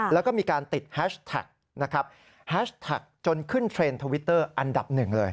แล้วก็มีการติดแฮชแท็กจนขึ้นเทรนด์ทวิตเตอร์อันดับหนึ่งเลย